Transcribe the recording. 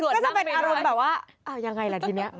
ก็จะเป็นอารมณ์แบบว่ายังไงล่ะทีนี้